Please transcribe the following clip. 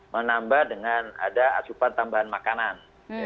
menambah dengan ada asupan tambahan makanan